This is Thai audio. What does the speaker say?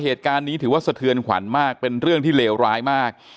เหตุการณ์นี้ถือว่าสะเทือนขวัญมากเป็นเรื่องที่เลวร้ายมาก